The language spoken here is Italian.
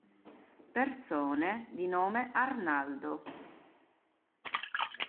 Persone di nome Arnaldo